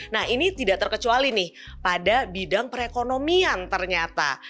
nah ini tidak terkecuali nih pada bidang perekonomian ternyata